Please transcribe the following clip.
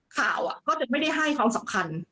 ข่าวก็จะไม่ได้ให้ความสำคัญ